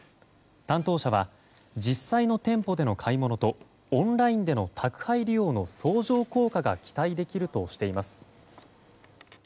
担当者は実際の店舗での買い物とオンラインでの宅配利用の相乗効果が期待できるとしています。